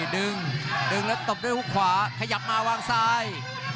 ดึงดึงแล้วตบด้วยฮุกขวาขยับมาวางซ้าย